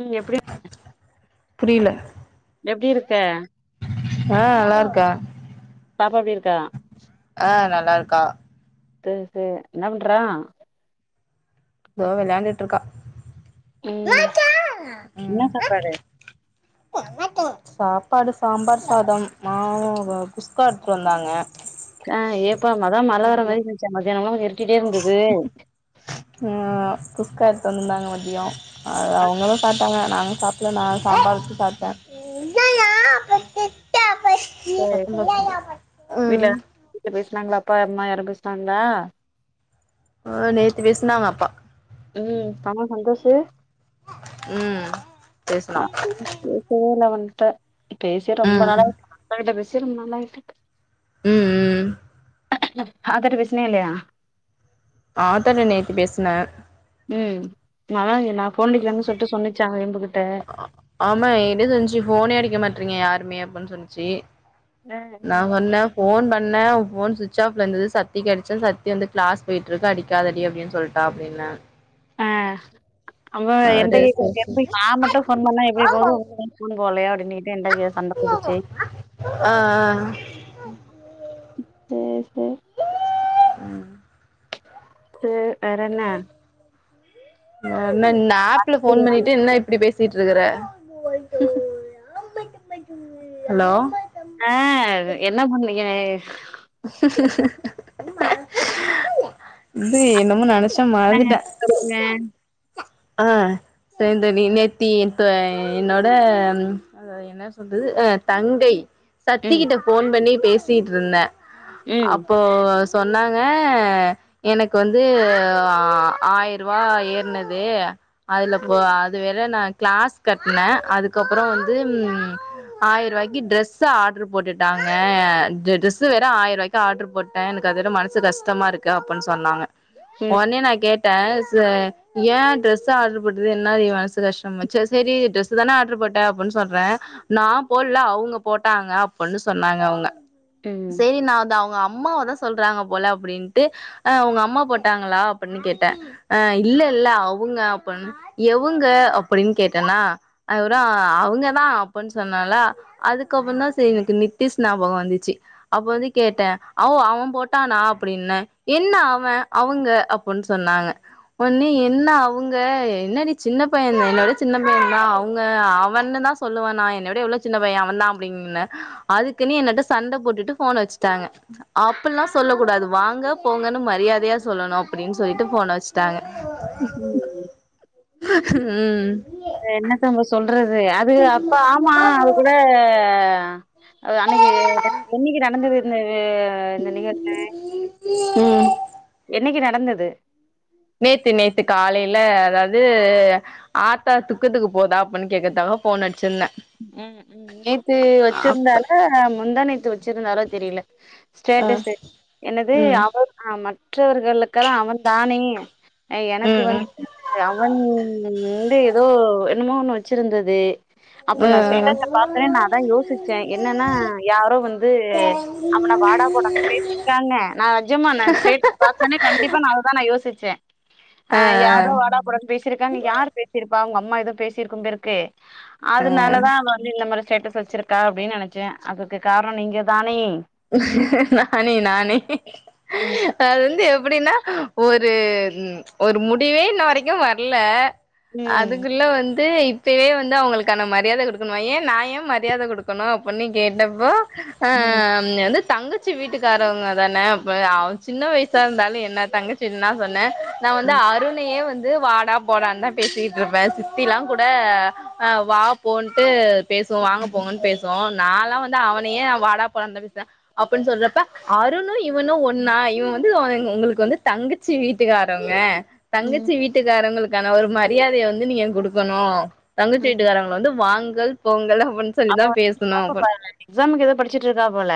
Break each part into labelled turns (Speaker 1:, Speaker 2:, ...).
Speaker 1: ம் எப்டி
Speaker 2: புரியல
Speaker 1: எப்டி இருக்க
Speaker 2: ஆ நல்லாருக்க
Speaker 1: பாப்பா எப்டி இருக்கா
Speaker 2: ஆ நல்லா இருக்கா
Speaker 1: சே சே என்ன பண்றா
Speaker 2: தோ விளாண்டுட்ருக்கா
Speaker 1: ம் இன்ன சாப்பாடு
Speaker 2: ம் ஆத்தோ சாப்பாடு சாம்பார் சாதம் ஆ குஸ்கா எடுத்துட்டு வந்தாங்க
Speaker 1: ஆ ஏப்பா மழ மழ வர
Speaker 2: மதியம்
Speaker 1: மாதிரி இருன்ச்சா மத்யானமுல்லா இரூட்டிட்டே இருந்துது
Speaker 2: ஆ குஸ்கா எடுத்துன் வந்துந்தாங்க மதியோ அ அவங்களு சாப்ட்டாங்க நா சாப்புல நா சாம்பாரு வெச்சு சாப்ட்டே
Speaker 1: வீட்ல
Speaker 2: [unintelligible]
Speaker 1: வீட்ல பேசுனாங்களா அப்பா அம்மா யாருனா பேசுனாங்கா
Speaker 2: ஆ நேத்து பேசுனாங்க அப்பா
Speaker 1: ம் பணொ வந்துச்சு
Speaker 2: ம் பேசுனா
Speaker 1: பேசவேல்ல அவன்ட்ட பேசியே ரொம்ப
Speaker 2: ம்
Speaker 1: நாள் ஆ அப்பாகிட்ட பேசியே ரொம்ப நல்லாயிட்டுருக்
Speaker 2: ம் ம்
Speaker 1: ஆத்தாட்ட பேசினியா இல்லையா
Speaker 2: ஆத்தாட்ட நேத்து பேசுன
Speaker 1: ம் நா அதா சொன்னே நா கொழந்தைகென்னா சொல்லிட்டு வந்தே சொன்னிச்சா ஒங்ககிட்ட
Speaker 2: ஆமா என்ன சொல்ச்சு ஃபோனே எடிக்க மாட்ரீங்க யாருமே அப்புன் சொல்ச்சு
Speaker 1: ஆ ம்
Speaker 2: நாங்கன்னா ஃபோன் பண்ணே ஃபோன் சுவிச் ஆஃப் லந்தந்து சத்திக் அடிச்ச சத்தி வந்து கிளாஸ் போயிட்டுருக்கு அடி க்காதடி அப்டின் சொல்ட்டா அப்டின்னா
Speaker 1: அவள் எந்த
Speaker 2: அவரு சேர்
Speaker 1: வீட்டுக் வந்து
Speaker 2: சேரி
Speaker 1: நா மட்டு பண்ணா எப்டி போகு [unintelligible] அப்டின்னுட்டு [unintelligible]
Speaker 2: ஆ ஆ
Speaker 1: சேரி சேரி
Speaker 2: ம்
Speaker 1: சேர் வேற என்ன
Speaker 2: அ நாப்ல போன் பண்ணிட்டு என்ன இப்டி பேசு பேசிட்ருக்குற ஹலோ
Speaker 1: ஆ என்ன பண்ணீறிங்க
Speaker 2: இது என்னமோ நெனச்
Speaker 1: இந்தாங்க தடவுங்க
Speaker 2: ஆ சைந்தவி நேத்திகி என்னோட என்னா சொல்றது அ தங்கை
Speaker 1: ம்
Speaker 2: சத்திகிட்ட போன் பண்ணி பேசிக்கிட்டுருந்தே
Speaker 1: ம்
Speaker 2: அப்போ சொன்னாங்க எனக்கு வந்து ஆய்யரூபா ஏறனது இது அதுல போ அதுவேற் நா கிளாஸ் கட்னே அதுக்கப்பறோ வந்து ம் ஆயிரரூபாய்க்கு டிரெஸ் ஆர்டர் போட்டுட்டாங்க டிரெஸ் வேற ஆய்ரூவாய்க் டிரெஸ் ஆர்டர் போட்டே எனக்கு அது வேற மனசு கஷ்டமா இருக்கு அப்புன் சொன்னாங்க
Speaker 1: ம்
Speaker 2: ஓனே நா கேட்டே சு ஏ டிரரெஸ் ஆர்டர் போட்டது என்னாடி மனசு கஷ்டம் ஆச்சு செரி டிரெஸ் தான ஆர்டர் போட்டே அப்டின்னு சொல்றே நா போட்ல அவுங்க போட்டாங்க அப்டின்னு சொன்னாங்க அவுங்க
Speaker 1: ம்
Speaker 2: சேரி நா அந்த அவுங்க அம்மாவதா சொல்றாங்க போல அப்டின்ட்டு அ உங்க அம்மா போட்டாங்களா அப்டின்னு கேட்ட அ இ இல்ல இல்ல அவுங்க அப்டின்னு எவுங்க அப்டின்னு கேட்டனா அவ்றா அவுங்க தா அப்டின்னு சொன்னால அதுக்கப்புற தா செரி எனக்கு நித்தீஷ் ஞாபகோ வந்துச்சு அப்ப வந்து கேட்டே அவ் அவே போட்டானா அப்டின்னுன என்ன அவே அவுங்க அப் போன் சொன்னாங்க உன்னே என்ன அவுங்க என்னடி சின்ன பையதான என்ன ஒட சின்ன பையந்தா அவுங்க அவன்னுதா சொல்லுவே நா என்ன விட எவ்ளோ சின்ன பைய அவந்தா அப்டின்னுன அதுக்குன்னு என்னட்ட சண்ட போட்டுட்டு போன வச்ட்டாங்க அப்பில்லா சொல்ல கூடாது வாங்க போங்கன்னு மரியாதையா சொல்லணு அப்படின் சொல்லிட்டு ஃபோன வச் ட்டாங்க ம்
Speaker 1: என்னத்தங்க சொல்றது அது அப்ப ஆமா அது கூட அ அன்னைக்கி என்னனைக்கி நடந்தது இந்த இந்த நிகழ்சி
Speaker 2: ம்
Speaker 1: என்னைக்கி நடந்தது
Speaker 2: நேத்து நேத்து காலையில அதாவது ஆத்தா துக்கத்துக்கு போதா அப்பன் கேக்க தாங்க ஃபோன அச்சிந்தே
Speaker 1: ம் ம் நேத்து வச்சிருந்தாலா முந்தா நேத்து வச்சிருந்தாலோ தெரியில்ல
Speaker 2: ஆ
Speaker 1: ஸ்டேட்டஸ்சு என்னது
Speaker 2: ம்
Speaker 1: அவ மற்றவர்களுக்கெல்லா அவன் தானே
Speaker 2: ம்
Speaker 1: எனக்கு
Speaker 2: ம்
Speaker 1: வந்து அவன் வந்து எதோ என்னமோ ஒண்ணு வச்சிருந்தது
Speaker 2: ம்
Speaker 1: அப்ப நா ஸ்டேட்டஸ்ச
Speaker 2: ம்
Speaker 1: பாக்குறே நா தா யோசிச்சே என்னன்னா யாரோ வந்து அவன வாடா போடான் பேசி இருக்காங்க நா நெஜமா நா ஸ்டேட்டஸ் பாத்தனே கண்டிப்பா நா அததா யோசிச்சே அ
Speaker 2: ஆ
Speaker 1: யாரோ
Speaker 2: ஆ
Speaker 1: வாடா போடான் பே சிருக்காங் யார் பேசியிருப்பா அவங்க அம்மா எது பேசியிருக்கும் பேருக்கு
Speaker 2: ஆ
Speaker 1: அதனாலதா வந்து இந்த மாரி ஸ்டேட்டஸ் வச்சிருக்கா அப்டின் நெனைச்சே அதுக்கு காரோ நீங்க தானே
Speaker 2: நானே நானே
Speaker 1: ம்
Speaker 2: அது வந்து எப்டின்னா ஒரு ஒரு முடிவே இன்ன வரைக்கு வர்ல அது
Speaker 1: ம்
Speaker 2: குள்ள வந்து இப் இப்பவே வந்து அவங்களுக்கான மரியாதை குடுக்கணும்மா ஏ நா ஏ மரியாத குடுக்கணு அப்பன்னு கேட்டப்போ ஆ
Speaker 1: ம்
Speaker 2: இனி வந்து தங்கச்சி வீட்டுக்காரவங்க தான அப்ப அ சின்ன வயசா இருந்தாலே என்ன தங்கச்சின்தா சொன்னே நா வந்து அருணையே வந்து வாடா போடான் தா பேசிட்ருப்பே சித்தில்லா கூட அ வா போன்ட்டு பேசுவோ வாங்க போங்கன் பேசுவோ நால்லா வந்து அவனையே வாடா போடாந்தா த அப்பன் சொல்றப்ப அருணு இவனு ஒண்ணா இவ வந்து உங்களுக்கு வந்து தங்கிச்சி வீட்டுக்காரவங்க
Speaker 1: ம்
Speaker 2: தங்கச்சி வீட்டுக்காரங்களுக்கான ஒரு மரியாதைய வந்து நீங்க குடுக்கணு தங்கச்சி வீட்டுக்காரங்கள வந்து வாங்கள் போங்கள் அப்பன் சொல்லி
Speaker 1: அவ
Speaker 2: தா
Speaker 1: வந்து
Speaker 2: பேஸ்ணு
Speaker 1: பாப்ப பாரு எக்ஸாமுக்கு ஏதோ படிச்சுட்டு இருக்கா போல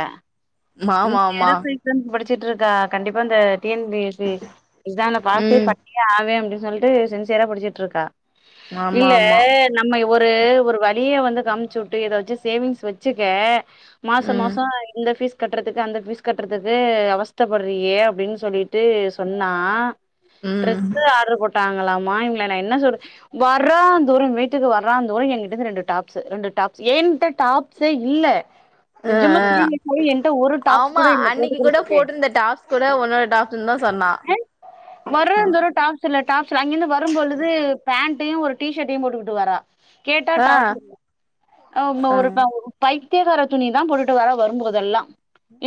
Speaker 2: ஆமா ஆமா
Speaker 1: [unintelligible] டம் படிச்சிட்ருக்கா கண்டிப்பா இந்த டி என் பி சி எக்ஸாம்ல பாசே ப
Speaker 2: ம்
Speaker 1: அவே அப்டின் சொல்லிட்டு சின்சியரா படிச்சிட்டுருக்கா
Speaker 2: ஆமா
Speaker 1: இல்ல
Speaker 2: ஆமா
Speaker 1: நம்ம ஒரு ஒரு வழிய வந்து காம்ச்சு உட்டு இத வச்சு சேவிங்ஸ் வச்சுக்க மாசோ
Speaker 2: ம்
Speaker 1: மாசோ இந்த ஃபீஸ் கட்றதுக்கு அந்த பீஸ் கட்றதுக்கு அவஸ்தபற்றியே அப்டின் சொல்லிட்டு சொன்னா
Speaker 2: ம்
Speaker 1: ட்ரெஸ்ச ஆர்ரு போட்டாங்களாமா இவங்கள நா என்ன சொல்ற வர்றா தூரம் வீட்டுக்கு வர்றா அந்தோய் எங்கிட்ட இருந்து ரெண்டு டாப்ஸ்சு ரெண்டு டாப் ஏன்ட டாப்சே இல்ல
Speaker 2: ஆ
Speaker 1: நெஜமா
Speaker 2: ஆ
Speaker 1: கீள்ஞ்சு போய் என்ட ஒரு டாப்ஸ்
Speaker 2: ஆமா
Speaker 1: கூட இல்ல போட்டு
Speaker 2: அன்னைக்கு கூட
Speaker 1: கொடுத்துக்கே
Speaker 2: போட்டிருந்த டாப்ஸ் கூட உன்னோட டாப்ஸ்ன்னு தான் சொன்னா
Speaker 1: அ
Speaker 2: ஆ
Speaker 1: [unintelligible] சல்ல டார்ச்சர் அங்கேர்ந்து வரும்பொழுது பேண்ட்டையு ஒரு டீஷட்டையு போட்டுக்கிட்டு வரா கேட்டா டாப் அ ம
Speaker 2: ஆ
Speaker 1: ஒரு ப பைத்தியகார துணிதா போட்டுட்டு வர வரும்போதெல்லா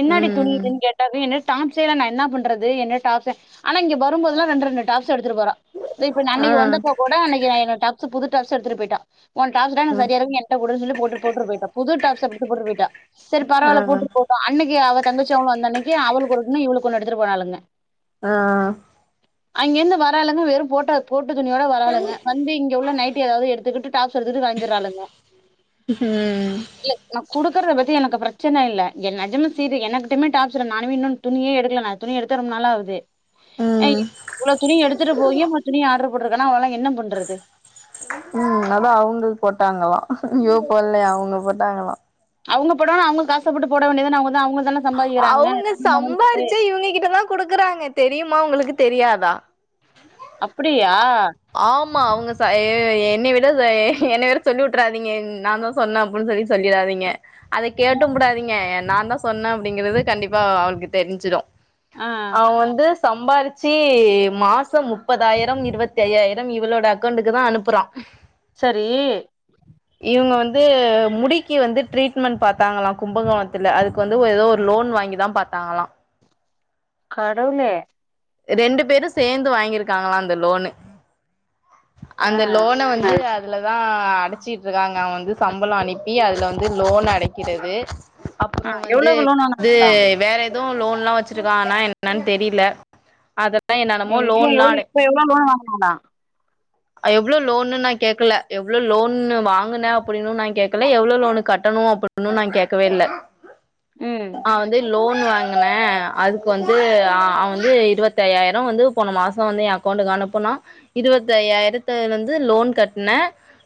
Speaker 1: என்னாடி துணி
Speaker 2: ம்
Speaker 1: இதுன் கேட் டது எனு டாப்ஸே இல்ல நா என்னா பண்றது என்னு டாப்ஸு ஆனா இங்க வரும்போதுல்லா ரெண்டு ரெண்டு டாப்ஸ் எடுத்துட்டு போறா து இப்ப
Speaker 2: ஆ
Speaker 1: அன்னைக்கு வந்தப்போக் கூட அன்னக்கி நா என்னோட டாப்ஸு புது டாப்ஸு எடுத்துட்டு போய்ட்டா ஓ டாப்ஸ் தா எனக் சரியா
Speaker 2: ஆ
Speaker 1: இருக்கு என் [unintelligible] சொல்லி போட்ரு போட்ரு போய்ட்டா புது டாப்ஸ போட்ரு போய்ட்டா செரி பரவால்ல போட்டு போ அன்னக்கி அவ தங்கச்சி அவ வந்தன்னக்கி அவளுக்கு ஒன்னு இவளுக்கு ஒன்னு எடுத்துட்டு போனாளுங்க
Speaker 2: ஆ
Speaker 1: [inaudible] அங்கேர்ந்து வராலுங்க வெறும் போட்ட போட்டு துணியோட வராளுங்க வந்து இங்க உள்ள நைட்டி ஏதாவ்து எடுத்துக்கிட்டு டாப் ஸ எட்த்துட்டு கெளம்பிர்றாளுங்க
Speaker 2: ஹ்ம்
Speaker 1: இல்ல நா குடுக்குறத பத்தி எனக்கு ப்ரச்சன இல்ல என் நஜம சீரி எனுக்கிட்டமே டாப்ஸுல்ல நானுமே இனோ துணியே எடுக்ல நா துணி எடுத்தே ரொம்ப நாள் ஆவ்து அ
Speaker 2: ம்
Speaker 1: இவ்ளோ துணி எடுத்துட்டு போயி இவ துணிய ஆட்ரு போட்ருக்கானா அவளலா என்ன பண்றது
Speaker 2: ம் அதா அவ்ங்க போட்டாங்கலா இவ போல்லயா அவ்ங்க போட்டாங்களா
Speaker 1: அவ்ங்க பொடவனா அவ்ங்க காசப் போட்டு போட வேண்டியதான அவ்ங்கதா அவங்கதான
Speaker 2: அவ்ங்க சம்பாரிச்சே இவுங்ககிட்டதா குடுக்குறாங்க தெரியுமா உங்களுக்கு தெரியாதா
Speaker 1: அப்டியா
Speaker 2: ஆமா அவ்ங்க சை எ என்ன விட ஏ என்ன வேற சொல்லி உட்றாதீங்க நாந்தா சொன்ன அப்புன் சொல்லி சொல்லிராதீங்க அத கேட்டும் புடாதீங்க எ நாந்தா சொன்ன அப்டிங்கிறது கண்டிப்பா அவளுக்கு தெரிஞ்சிரு
Speaker 1: ஆ
Speaker 2: அவ வந்து சம்பாரிச்சி மாசம் முப்பதாய்ரம் இருவத் தையாய்ரம் இவளோட அக்கௌண்ட்டுக்குதா அனுப்புறா
Speaker 1: சரி
Speaker 2: இவ்ங்க வந்து முடிக்கி வந்து ட்ரீட்மெண்ட் பாத்தாங்களா கும்பகோணத்துல அது கு வந்து ஒ ஏதோ ஒரு லோன் வாங்கி தா பாத்தாங்களா
Speaker 1: கடவுளே
Speaker 2: ரெண்டு பேரு சேந்து வாங்கிர்க்காங்களா அந்த லோனு
Speaker 1: ஆ
Speaker 2: அந்த லோன வந்து அ துலதா அடச்சியிட்ருக்காங்க அவ வந்து சம்பளொ அனுப்பி அதுல வந்து லோன் அடக்கிறது
Speaker 1: ஆ
Speaker 2: அப்பறோ வந்து
Speaker 1: எவ்ளோக்கு லோன்
Speaker 2: து
Speaker 1: வாங்குனாங்களா
Speaker 2: வேற து லோன்லா வச்சிருக்காங்னா என்னன் தெரில அத
Speaker 1: ஏ இங்க எவ்ளோ இப்ப [unintelligible]
Speaker 2: அ எவ்ளோ லோனு நா கேக்கல எவ்ளோ லோன்னு வாங்குன அப்டின்னு நா கேக்கல எவ்ளோ லோனு கட்டணு அப்பு ன்னு நா கேக்கவே இல்ல
Speaker 1: ம்
Speaker 2: அவ வந்து லோன் வாங்குன அதுக்கு வந்து அ அவ வந்து இருவத்தையாய்ரொ வந்து போன மாசொ வந்து ஏ அக் கௌண்டுக் அனுப்புனா இருவத்தையாய்ரத்த வந்து லோன் கட்ன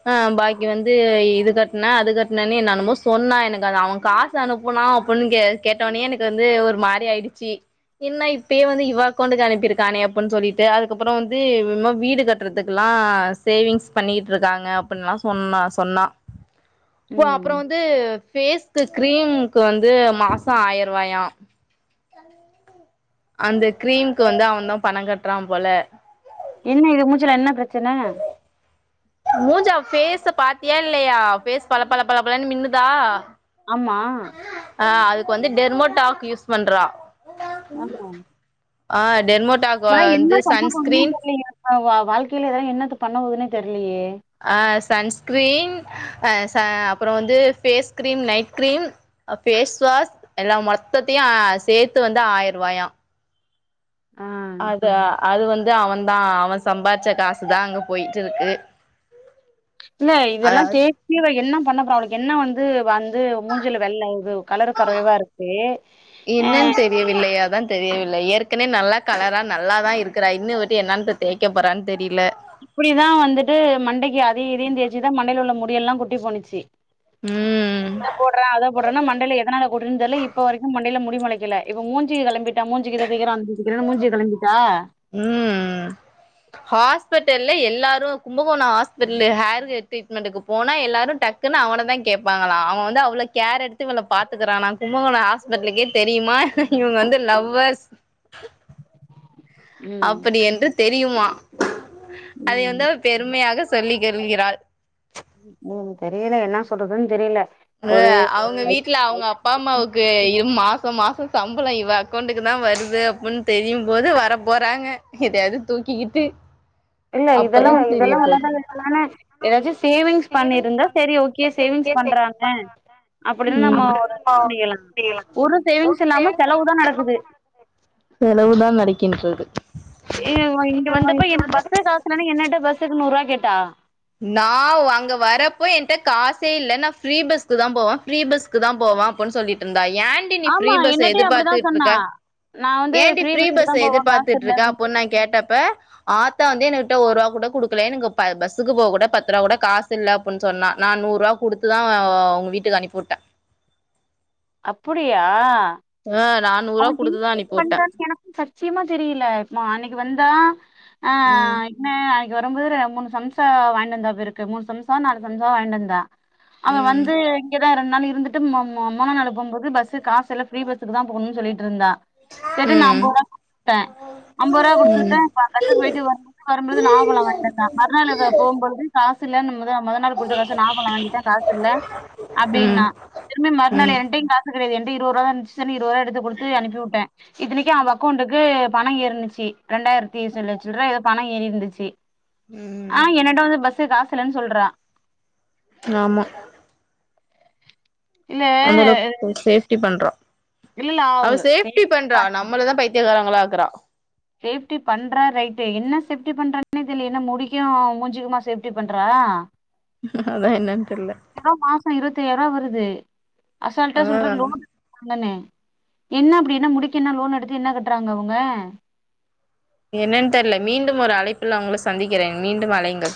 Speaker 2: ஆ பாக்கி வந்து இது கட்ன அது கட்னனு என்னென்னமோ சொன்னா எனக்கு அது அவ கா சு அனுப்புனா அப்புன் கே கேட்ட ஒன்னேயே எனக்கு வந்து ஒரு மாரி ஆய்டிச்சி என்ன இப்பயே வந்து இவ அக்கௌண்ட்டுக்கு அனுப்பிர்க்கானே அப்புன் சொல்லிட்டு அதுக்கப்றொ வந்து [unintelligible] வீடு கட்றதுக்குல்லா சேவிங்ஸ் பண்ணியிட்ருக்காங்க அப்பின்லா சொன்னா சொன்னா ஓ
Speaker 1: ம்
Speaker 2: அப்றொ வந்து ஃபேஸ் து க்ரீம்க்கு வந்து மாசொ ஆய்ருவாயா அந்த க்ரீம்க்கு வந்து அவன்தா பணங்கட்றா போல
Speaker 1: என்ன இது மூஞ்சுல என்ன பிரச்சன
Speaker 2: மூஞ்ச ஃபேச பாத்தியா இல்லயா ஃபேஸ் பல பல பலன்னு மின்னுதா
Speaker 1: ஆமா
Speaker 2: ஆ அதுக்கு வந்து டெர்மோ டாக் யூஸ் பண்றா
Speaker 1: ஆமா
Speaker 2: ஆ டெர்மோ டாக்
Speaker 1: த என்ன பண்ண போணுமே தெர்லயே வா வா வாழ்க்கையில எதோ என்னத்த பண்ண போதுன்னே தெர்லியே
Speaker 2: ஆ சன் ஸ்கிரீன் அ ச அப்பறோ வந்து ஃபேஸ் கிரீம் நைட் கிரீம் அ பேஸ் வாஸ் எல்லா மொத்தத்தையு சேத்து வந்து ஆயிரூவாயா
Speaker 1: ஆ
Speaker 2: அது அது வந்து அவந்தா அவ சம்பார்ச்ச காசுதா அங்க போயிட்டுருக்கு
Speaker 1: இல்ல இதல்லா [unintelligible] இவ என்ன பண்ணப்பொறா அவளுக்கு என்ன வந்து வந்து மூஞ்சுல வெள்ள இது கலரு கறைவா இருக்கு அ
Speaker 2: [unintelligible] வில்லையா தா தெரியவில்லை ஏற்கனவே நல்லா கலரா நல்லா தா இருக்கறா இன்னு இவட்ட என்னன் தேய்க போறான் தெரில
Speaker 1: இப்புடிதா வந்துட்டு மண்டைக்கு அதயூ இதயூ தேச்சுதா மண்டைல உள்ள முடிய எல்லா கொட்டி போனுச்சி
Speaker 2: ம்
Speaker 1: இத போடுற அத போடுறன்னு மண்டைல எதனால கொட்டுதுன் தெர்ல இப்ப வரைக்கு மண்டைல முடி மொலைக்கல இவ மூஞ்சிய கெளம்பிட்டா மூஞ்சிக்கு இத தேக்கற [inaudible] மூஞ்சிய கெளம்பிட்டா
Speaker 2: ம் ஹாஸ்பிட்டல்ல எல்லாரு கும்பகோண ஹாஸ்பிட்டல ஹேர் கே ட்ரீட்மெண்டுக்கு போனா எல்லாரு டக் குனு அவன தா கேப்பாங்களா அவ வந்து அவள கேர் எடுத்து இவன பாத்துக்கறானா கும்பகோணோ ஆஸ் பட்டலுக்கே தெரியுமா இவங்க வந்து லவ்வர்ஸ்
Speaker 1: ம்
Speaker 2: அப்படி என்று தெரியுமா அதை
Speaker 1: ம்
Speaker 2: வந்து அவர் பெருமையாக சொல்லி கொள்கிறாள்
Speaker 1: ம் தெரியல என்ன சொல்றதுன்னு தெரில
Speaker 2: அ அவுங்க வீட்ல அவுங்க அப் பா அம்மாவுக்கு இம் மாசோ மாசோ சம்பளோ இவ அக்கௌண்ட்டுக்கு தா வருது அப்புன் தெரியும் போது வர போறாங்க எதையாவது தூக்கிக்கிட்டு
Speaker 1: இல்ல இதல்லா வந்து தேவ இல்லாதது தான எதாச்சு சேவிங்ஸ் பண்ணிருந்தா செரி ஓகே சேவிங்ஸ் பண்றா அ அப்படிதா நம்ம ஒரு பண்ணிக்கலா ஒரு சேவிங்ஸ்ஸு இல்லாம செலவுதா நடக்குது
Speaker 2: செலவுதான் நடக்கின்றது
Speaker 1: [unintelligible] இங்க வந்தப்ப எனக்கு பஸ்ஸ காசு இல்லன்னு என்னட்ட பஸ்ஸுக்கு நூருவா கேட்டா
Speaker 2: நா அங்க வரப்ப என்ட்ட காசே இல்ல நா ஃப்ரீ பஸ்க்கு தா போவ ஃரீ பஸ் இதுக்கு தா போவா அப்புன்னு சொல்லிட்டு இருந்தா ஏண்டி நீ ஃப்ரீ
Speaker 1: ஆமா
Speaker 2: பஸ்சா
Speaker 1: என்னட்டயு அப்டிதா
Speaker 2: எதிர்பாத்துட்டு
Speaker 1: சொன்னா
Speaker 2: இருக்க
Speaker 1: நா வந்து
Speaker 2: ஏன்டி ஃப்ரீ
Speaker 1: பஸ்ஸுக்கு தா
Speaker 2: பஸ்சா
Speaker 1: போவே காசு
Speaker 2: எதிர்பாத்துட்டு
Speaker 1: இல்ல
Speaker 2: இருக்கா
Speaker 1: அப்டி
Speaker 2: அப்போ நா கேட்டப்ப ஆத்தா வந்து என்னுட்ட ஒரு ரூபா கூட குடுக்கல எனக்கு பா பஸ் பஸ்க்கு போக்கூட பத்துரூபா கூட காசு இல்ல அப்பன்னு சொன்னா நா நூறுரூபா குடுத்து தா உங்க வீட்டுக்கு அனுப்பிவுட்டே
Speaker 1: அப்புடியா
Speaker 2: ஆ நானூருவா குடுத்துதா அனுப்பிவுட்ட
Speaker 1: எனக்கு சத்தியமா தெரில நா அன்னிக்கு வந்தா ஆ
Speaker 2: ம்
Speaker 1: என்ன நாளைக்கு வரும்போது மூணு சம்சா வாய்ன் வந்தாப்பு இருக்கு மூணு சம்சா நாலு சம்சா வாயின்ட் வந்தா அவெ
Speaker 2: ம்
Speaker 1: வந்து இங்கதா ரெண் நாள் இருந்துட்டு ம ம முணா நாள் போம்போது பஸ்ஸுக் காஸ் இல்ல ஃப்ரீ பஸ்க்கு தா போனுன் சொல்லிட்ருந்தா செரின் நா
Speaker 2: ம்
Speaker 1: ஐம்பதுருவா [inaudible] த்த ஐம்பதுருவா குடுத்துவிட்ட [unintelligible] [unintelligible] போயிட்டு வரும்போது வரும்போது நாவ பழ வாயின்ட் வந்தாக மறுநாள் எதோ போம்போது காசு இல்லன்னு போது மொத நாள் குடுத்த காச நாவப் பழ வாங்கிட்ட காஸ் இல்ல அப்டின்னா
Speaker 2: ம்
Speaker 1: திரும்ப மறுநாள்
Speaker 2: ம்
Speaker 1: என்ட்டையு கா கெடையாது என்ட்ட இருபது ருவா தா இருந்ச்சு சொல்லி இருவதுருவா எடுத்து குடுத்து அனுப்பியூட்ட இத்தினைக்கு அவ அக்கவுண்ட்டுக் க்கு பணம் ஏறுன்னுச்சி ரெண்டாயிரத்தி சில் சில்லற ஏதோ பணம் ஏறியிருந்துச்சி
Speaker 2: ம்
Speaker 1: ஆ என்னட்ட வந்து பஸ்க்கு காசுல்லன்னு சொல்றா
Speaker 2: ஆமா
Speaker 1: இல்ல
Speaker 2: அந்த அளவுக் அவ சேப்டி பண்ற
Speaker 1: இல்ல
Speaker 2: அவ சேப்டி
Speaker 1: சேஃப்டி
Speaker 2: பண்றா
Speaker 1: பண்ற
Speaker 2: நம்மளதா பை பைத்திக்காரங்களா ஆக்கற
Speaker 1: சேப்டி பண்றா ரைட்டு என்ன சேப்டி பண்றனே தெர்லையே என்ன முடிக்கு மூஞ்சுக்குமா சேஃப்டி பண்றா
Speaker 2: அதா என்னன்னு தெர்ல
Speaker 1: வெறு மாசே இருபத்தி ஐயாயிரா ரூபா வருது அசால்டா
Speaker 2: ஆ
Speaker 1: சொல்ற லோன்னு பண்ணுன என்ன அப்பிடி என்னா முடிக்க என்ன லோன் எடுக்க என்ன கட்டுறாங்க அவுங்க
Speaker 2: என்னன்னு தெர்ல மீண்டும் ஒரு அழைப்புல உங்க சந்திக்கிறேன் மீண்டும் அழைங்க